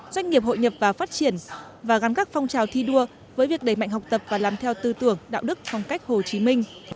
doanh nghiệp hội nhập và phát triển và gắn các phong trào thi đua với việc đẩy mạnh học tập và làm theo tư tưởng đạo đức phong cách hồ chí minh